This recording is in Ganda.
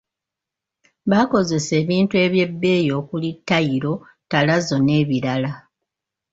Baakozesa ebintu eby'ebbeeyi okuli ttayiro, ttalazo n'ebirala.